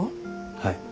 はい。